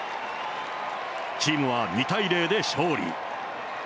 チームは２対０で勝利。